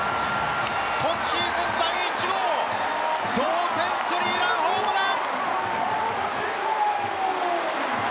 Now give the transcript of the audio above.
今シーズン第１号同点３ランホームラン！